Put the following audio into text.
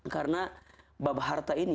karena bab harta ini